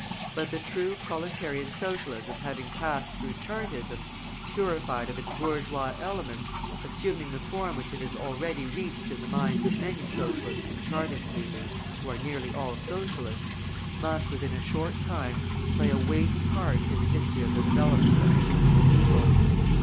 But the true proletarian Socialism having passed through Chartism, purified of its bourgeois elements, assuming the form which it has already reached in the minds of many Socialists and Chartist leaders (who are nearly all Socialists), must, within a short time, play a weighty part in the history of the development of the English people.